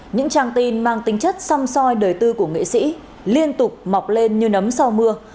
những trang tin mang tính chất xăm soi đời tư của nghệ sĩ liên tục mọc lên như nấm sau mưa